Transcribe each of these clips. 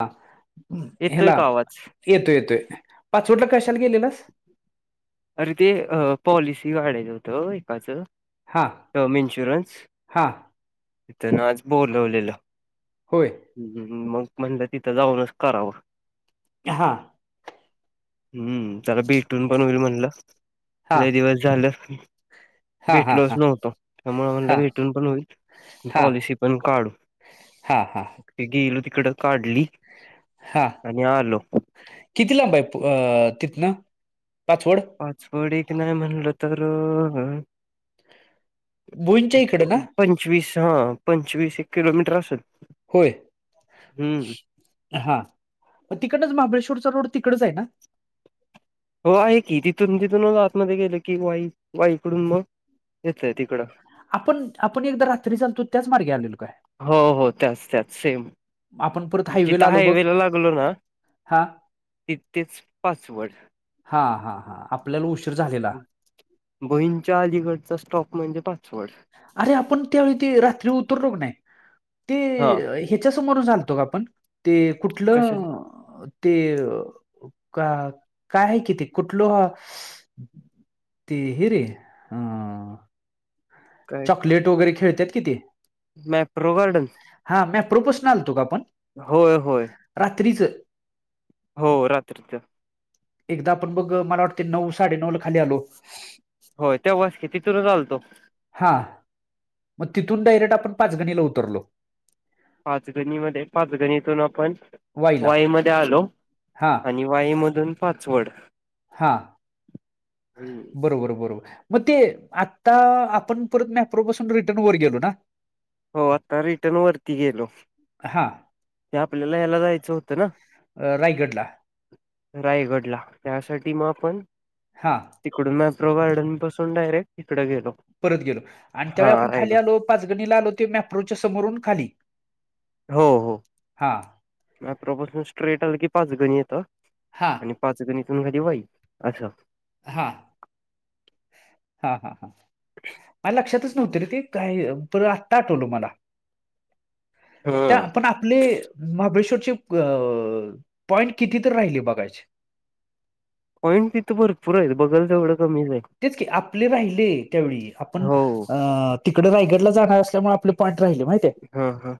हा येतोय ह्याला का आवाज? येतोय येतोय पाचवडला कशाला गेलेलास? अरे ते अ पॉलिसी काढायच होतं एकाचं हा टम इन्शुरन्स हा तिथं आज बोलवलेलं होय ह मग म्हणलं तिथं जाऊनच करावं हां हम्म त्याला भेटून पण होईल म्हणलं हा लय दिवस झालं हा हा हा भेटलोच हा नव्हतो त्यामुळे आम्हाला भेटून पण होईल हा पॉलिसी पण काढू. हा हा गेली तिकडं काढली हा आणि आलो किती लांबाय तिथनं पाचवड पाचवड इथं नाही म्हणलं तर भुईंच्या इकडं ना पंचवीस हा पंचवीस एक किलोमीटर असल होय हा तिकडनंच महाबळेश्वरचा रोड तिकडंच आहे ना हो आहे की तिथून तिथूनचं आतमध्ये गेले की वाई वाईकडून मग हेच आहे तिकडं आपण आपण एकदा रात्रीचं आलतो त्याच मार्गे आलेलो काय? हो आपण परत तीथं आलो बघ हायवेला लागलो ना हा तिथेच पाचवड हां हां हां आपल्याला उशीर झालेला भुईंगच्या अलीगडचा स्टॉप म्हणजे पाच अरे आपण त्यावेळी ते रात्री उतरलो कनाही हा ते ह्याच्या समोरचं आलतो का आपण ते कशा कुठलं? ते का काय आहे कि ते कुठलं हा ते हे रे अं प्लेट वगैरे खेळत्यात कि ते मॅट्रो गार्डन्स हा मेट्रो पास्नं आलतो का आपण होय होय रात्रीचं हो रात्रीच एकदा आपण बघ मला वाटते नऊ साडे नऊ ला खाली आलो होय तेव्हाच की तिथूनचं आलतो हा मग तिथून डायरेक्ट आपण पाचगणीला उतरलो. पाचगणी मध्ये पाचगणीतून आपण वाईला वाईमध्येध्ये आलो हा आणि वाई मधून पाचवड हा हम्म. बरोबर बरोबर मग ते आता आपण परत मॅप्रो पासून रिटर्न वर गेलो ना हो आता रिटर्न वरती गेलो हां ते आपल्याला या्यायला जायचं होतं ना अ, रायगडला. रायगडला त्यासाठी मग आपण हा तिकडून मॅप्रो गार्डन बसून डायरेक्ट इकडे गेलो परत गेलो आणि त्यावेळी हा आपण रायगड खाली आलो पाच गणीला आलो ते मॅप्रोच्या समोरून खाली हो हो हां म प्रफोशन स्ट्रेट आलं की पाच गणी येतं हां आणि पाच गणीतून खाली वाई असं हा हा हा हा माझ लक्षातच नव्हत रे ते काही पर आत्ता आठवलो मला त्या हं. आपण आपले महाबळेश्वरची अ पॉइंट किती तर राहिले बघायचे पॉईंट तिथं भरपूर आहेत बगल तेवढं कमीच आहे तेच की आपले राहिले त्यावेळी आपण हो. तिकडे रायगडला जाणार असल्यामुळे आपले पॉईंट राहिले माहि हा हा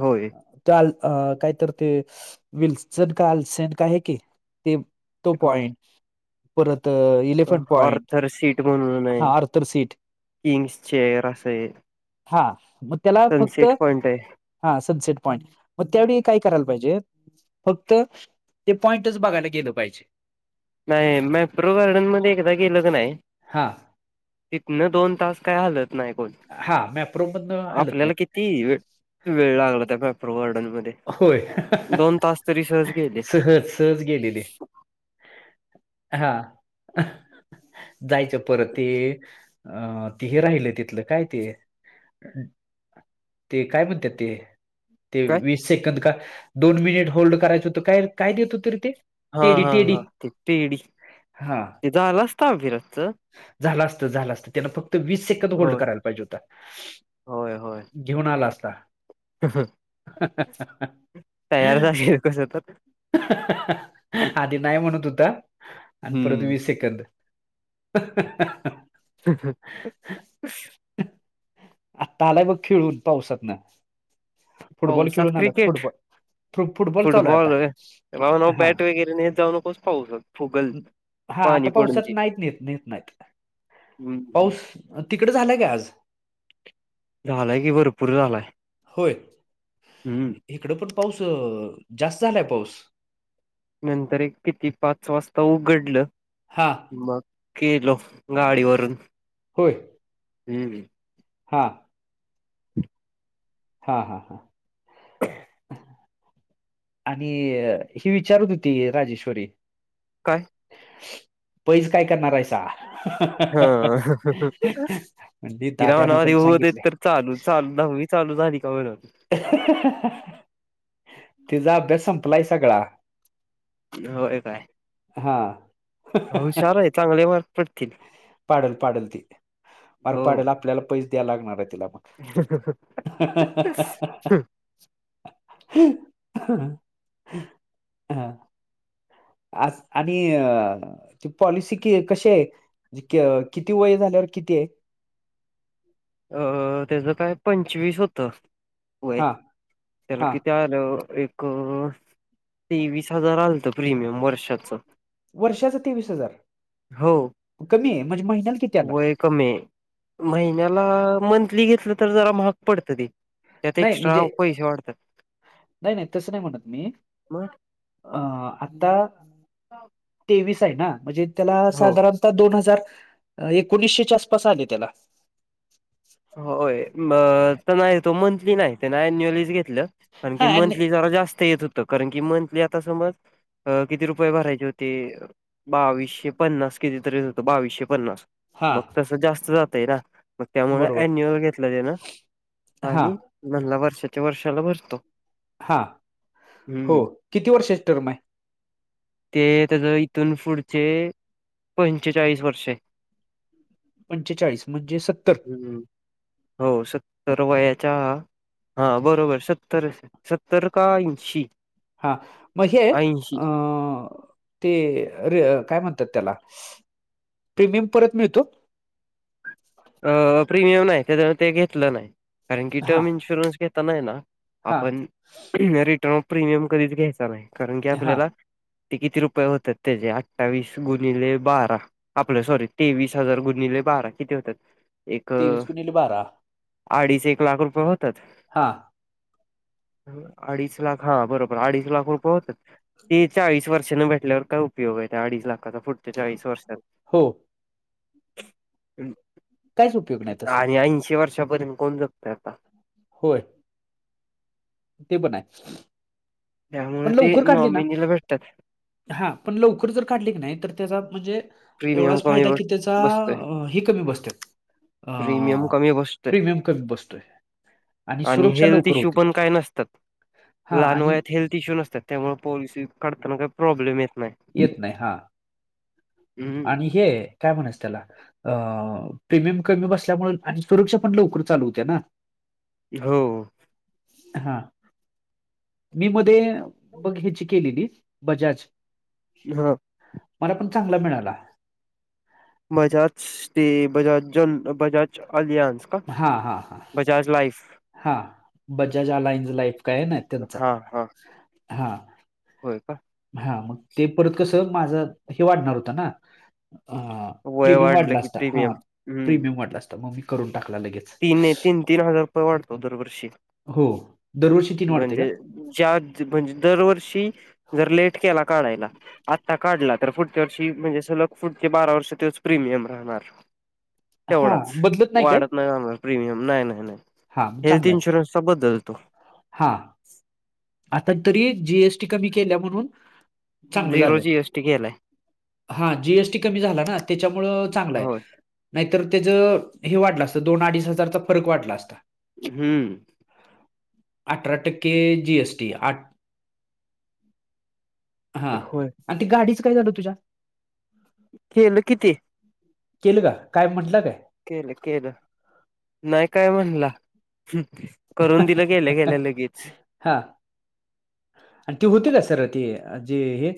होय ल कायत ते विल्सन का आलसन का आहे की ते तो हो. पॉईंट परत इलेव्हन ऑर्थर सीट म्हणून आहे सीट किंग्स चेअर असं आहे हा मग त्याला फक्त सनसेट पॉइंट आहे. हा सनसेट पॉईंट मग त्यावेळी काय करायला पाहिजे फक्त ते पॉइंटच बघायला गेलं पाहिजे नाही मॅप्रो गार्डन मध्ये एकदा गेलं क नाही हां तिथन दोन तास काय हलत नाही कोण हा मॅप्रो मधन हलत आपल्याला नाहीत किती ती वेळ वेळ लागला त्या पेपर गार्डन मध्ये होय दोन तास तरी सहज केले सहज सहज गेलेले हा जायच परत ते अ तिही राहिल तिथलं काय ते ते काय म्हणतात ते ते काय? वीस सेकंद का दोन मिनिट होल्ड करायचं होत काय काय देत हो तरी ते हा टेडी हा टेडी हा त टडी हा तिथं आला असता फिरच झालं असतं झालं असतं त्यांना फक्त वीस सेकंद होल्ड होय. करायला पाहिजे होतता होय होय घेऊन आला असता तयार झालेेल कसं तर आधी नाही म्हणत होता आणि परत हम्म वीस सेकंद ह ह ह आत्ता आलाय बघ खेळून पावसात ना फुटबॉल पावसात खेळून आला क्रिकेट फुटबॉल चालू आहे आता फुटबॉल होय नव्ह, नव्ह हा बॅट वगैरे नेत जाऊ नको पावसात फुगल. हा, पाणी आता पडून पावसात ते. नाहीत नेत, नेत नाहीत. हम्म पाऊस तिकड झालाय काय आज? झालाय की भरपूर झालाय. होय. हम्म हिकड पण पाऊस, जास्त झालाय पाऊस. नंतर एक किती पाच वाजता उघडलं. हा, मग गेलो गाडीवरून. होय. हम्म हा, हा, हा, हा, [unintelligible] आणि हे विचारत होती राजेश्वरी. काय? पैज काय करणार आहेसा? हा म्हणजे तिला दाद्यानं म्हणाव आधी पण होऊ दे सांगितलंय तर. चालू, चालू दहवी चालू झाली का म्हणाव. तिझा अभ्यास संपलाय सगळा. होय काय? हा, हुशार आहे, चांगले मार्क पडतील. पाडल, पाडल ती पार हो. पाडल आपल्याला पैज द्यायला लागणार आहे तिला मग. [unintelligible] हा, आ आणि ती पॉलिसी कि कशी आहे? म्हणजे, क किती वय झाल्यावर किती आहे? अ तेझ काय पंचवीस होत. वय हा त्याला हा किती आ आपलं एक तेवीस हजार आलत प्रीमियम वर्षाच. वर्षाचा तेवीस हजार कमी आहे म्हणजे महिन्या व्हय कमी आहे. महिन्याला मंथली घेतलं तर जरा महाग पडत ते. त्यात नाही एक्स्ट्रा म्हणजे पैसे वाढत्यात. नाही नाही तसं नाही म्हणत मी मग, अ, आता तेवीस आहे ना, म्हणजे त्याला हो साधारण आता दोन हजार-एकोणीसशेच्या आसपास आले त्याला. होय मग तर नाही तो मंथली नाही त्यान अन्युअलीच घेतलं. कारण की हा आणि मंथली जरा जास्त येत होत. कारण की मंथली आता समज, अ किती रुपय भरायचे होते. बावीशे पन्नास कितीतरी होत बावीशे पन्नास हा मग तस जास्त जातय ना मग त्यामुळे बरोबर अन्युअल घेतलं त्यान हा आणि म्हणला वर्षाच्या वर्षाला भरतो. हा, हो हम्म किती वर्षाची टर्म आहे. ते त्याच इथून पुढचे पंचेचाळीस वर्षे. पंचेचाळीस म्हणजे सत्तर. हम्म हो, सत्तर वयाच्या हा, बरोबर सत्तर, सत्तर का ऐंशी. हा, म्हणजे ऐंशी अ ते रे काय म्हणतात त्याला प्रीमियम परत मिळतो अ प्रीमियम नाही त्याच्यान ते घेतलं नाही कारण की हा टर्म इन्शुरन्स घेताना ना हा आपण रिटर्न प्रीमियम कधीच घ्यायचा नाही कारण की हा आपल्याला ते किती रुपये होतात त्याचेे अठ्ठावीस गुणिले बारा आपलं सॉरी तेवीस हजार गुले बारा किती होतात एक तेवीस गुणिले बारा अडीच एक लाख रुपये होतात हां अडीच लाख हा बरोबर अडीच लाख रुपये होतात ते चाळीस वर्षांने भेटल्यावर काय उपयोग आहे त्या अडीच लाखाचा पुढत चाळीस वर्षात हो कायच उप आणि ऐंशी वर्षापर्यंत कोण जगतोय आता होय ते पण आहे त्यामुळे ते नॉमिनीला भेटतात हा पण लवकर जर काढली की नाही तर त्याचा म्हणजे प्रीमियम एवढाच कमी फायदा बस की त्याचा बसतोय हे कमी बसत्यात प्रीमियम कमी बसतोय कमी बसतोय आणि सुरक्षा हेल्थ लवकर इशू होते. पण काय नसतात हां लहान आणि वयात हेल्थ इशू नसत्यात त्यामुळे पोलिसी काढताना काही प्रॉब्लेम येत नाही नाई हा ह, ह आणि हे काय म्हणायस त्याला अ प्रीमियम कमी बसल्यामुळे आणि सुरक्षा पण लवकर चालू होते ना हो हा मी मध्ये मघ ह्याची केलेली बजाज ह मला पण चांगला मिळाला बजाज स्ट बजाज बजाज अलियानस हा, हा चार्ज लाईफ हा बजाज आलाइनज लाईफ काय ना त्यांचा हा हा हा होय का हा मग ते परत कसं माझं हे वाढणार होत ना वय प्रीमियम वाढलं वाढला की असता हा प्रीमियम प्रीमियम वाढला असता मग मी करून टाकला लगेच ती तीन, तीन हजार रुपये वाढतो दरवर्षी हो दरवर्षी तीन वाढते का म्हणजे ज्या म्हणजे दरवर्षी जर लेट केला काढायला आत्ता काढला तर पुढच्या वर्षी म्हणजे सलग पुढ ते बारा वर्ष तेच प्रीमियम राहणार हा बदलत नाही काय प्रमियम नाही, नाही हा मग हेल्थ चांगलं आहे इन्शुरन्सचा बदलतो हा आता तरी जीएसटी कमी केल्या म्हणून चांगलं झिरो झालंय जीएसटी केलाय हा जीएसटी कमी झाला ना त्याच्यामुळे चांगलं आहे होय नाहीतर त्याचं हे वाढलं असतं दोन अडीच हजारचा फरक वाढला असता हम्म अठरा टक्के जीएस आठ हा, होय आणि ते गाडीच काय झाल तुझ्या? केल कि ते केल का काय म्हंटल काय? केल केल नाही काय म्हणला? करून दिल गेल्या काय गेल्या लगेच. हा आणि ते होते का सर ते जे हे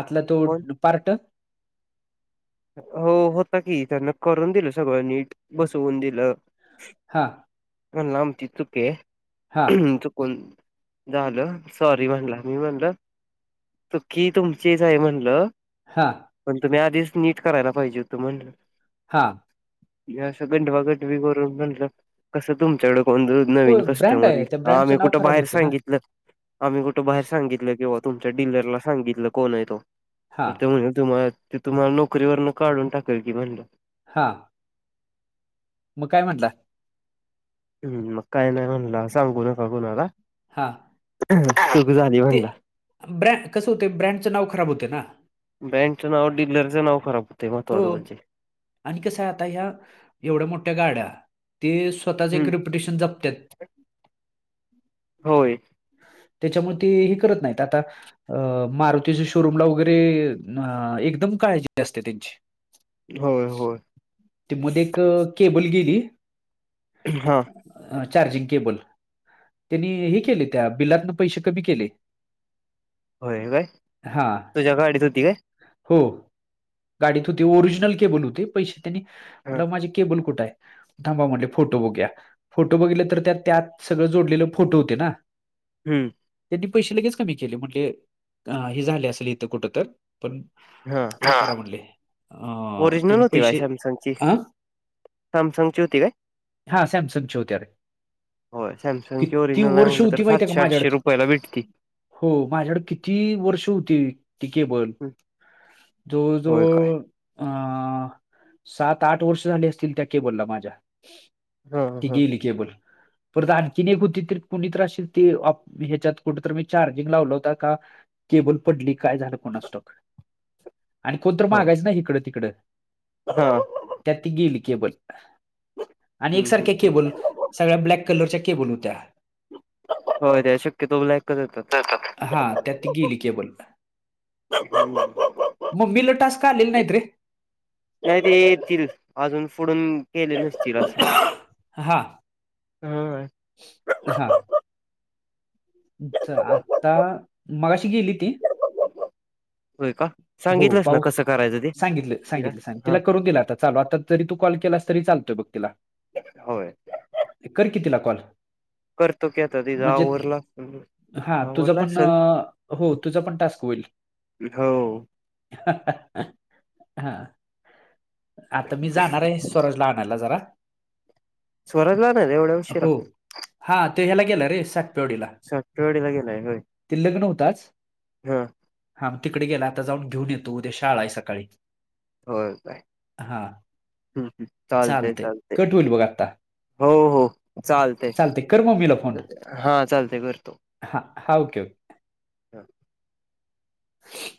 आतला तो कोण पार्ट हो, होता की त्यांन करून दिल सगळ नीट बसवून दिल हा म्हणला की आमची चा चुकीये हा चुकुन जाल सॉरी म्हणला मी म्हणल तुकी तुमचीच आहे म्हणल हा पण तुम्ही आधीच नीट करायला पाहिजे होत म्हणल हा हे अस गंडवागंडवी करून म्हणल कस तुमच्याकड कोण नवीन होय ब्रँड कस्टमर आहे. त्या येईल हा मी ब्रँडचं नाव कुठ खराब बाहेर होतं ना. सांगितल आम्ही कुठे बाहेर सांगितल किंवा तुमच्या डीलरला सांगितल कोण आहे तो तर हां, ते म्हण तुम्हाला ते तुम्हाला नोकरीवर काढून टाकेल की म्हणल. हा मग काय म्हणला? हम मग काय नाही म्हणला, सांगू नका कुणाला, हां. तुक झाली ते म्हणला ब्रँड कसं होते ब्रँडचं नाव खराब होत ना ब्रन्ड नाव डीलरच नाव खराब होतंय हो महत्वाचं म्हणजे आणि कस आहे आता ह्या एवढ्या मोठ्या गाड्या ते स्तःच एक हम्म रेप्युटेशन जपत्यात होय त्याच्यामुळे ते हे करत नाहीत आता अ मारुतीच्या शोरूमला वगैरे अ एकदम काळजी असते त्यांची होय होय ते मध्ये एक केबल गेली हा अ चार्जिंग केबल त्यांनी हे केले त्या बिलातन पैशे कमी केले होय काय हा तुझ्या गाडीत होती काय? हो गाडीत होती ओरिजिनल केबल होती, पैशे त्यांनी हा म्हटलं माझे केबल कुठ आहे थांबा म्हणले फोटो बघूया फोटो बघितले तर त्या त्यात सगळ जोडलेले फोटो होते ना [inaudible] त्यांनी पैसे लगेच कमी केले म्हणज हे झाले असल इथं कुठ तर पण काय म्हटले ओरिजनल होती काय सॅमसंगची हा सॅमसंगची होती काय हा सॅमसंग होती होय सॅमसंगची किती ओरिजिनल नाही वर्ष म्हटलं होती तर माहिती का सातशे आठशे माझ्याकडे रुपयाला भेटती. हो माझ्याकड किती वर्ष होती ती केबल जवळ होय काय? जवळ अं सात आठ वर्ष झाली असतील त्या केबलला माझ्या हा ती हा गेली केबल. परत आणखीन एक होती तरी कुणीत असशल ती ह्याच्यात कुठेतरी मी चार्जिंग लावला होता का केबल पडली काय झाल कोणास टॉउक आणि कोणत होय मागायच नाही इकड तिकड हा हम्म त्यात त गेली केबल आणि हम्म एकसारख्या हम्म केबल सगळ्या ब्लॅक कलरच्या केबल होत्या हो त्या शक्यतोला एककच येतात हा त्यात गेली केबल बा बा बा बा ते नाहीते नाही ते येतील अजून पुुढून केले नसतील असे हा हा हा आता मगाशी गेली ती होय का? हो सांगितलंस ना पाऊ कसं करायचं ते सांगितलं तिला? सांगितलं सांगित हा तिला करून दिला आता चालू आता जरी तू कॉल केलास तरी चालतोय बघ तिला होय कर की तिला कॉल करतो की आता ति जा म्हणजे आवरला हा तुझं आवरला पण असेल हो तुझ पण टास्क होईल हो हा आता मी जाणार आहे स्वराज ला आणायला जरा स्वराज ला आनायला एवढ्या उ शिरा हो हा ते ह्याला गेलं रे स सातवाडीला गेलाय होय ते लग्न होत आज ह हा मग तिकडे गेला आता जाऊन घेऊन येतो उद्या शाळा आहे सकाळी हो काय हा हम चालते चालतंय चालते कट होईल बघ आता हो हो चालते चालतंय कर मम्मीला फोन हा चालते करतो हा हा ओके ओके ह